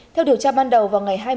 theo điều tra ban đầu vào ngày hai